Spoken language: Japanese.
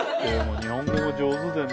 日本語も上手でね。